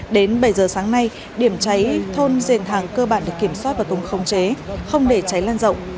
đến bảy h sáng nay điểm cháy thôn dền thàng cơ bản được kiểm soát và không khống chế không để cháy lan rộng